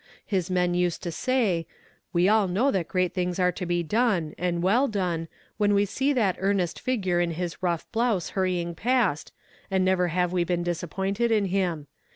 His men used to say: 'We all know that great things are to be done, and well done, when we see that earnest figure in its rough blouse hurrying past, and never have we been disappointed in him.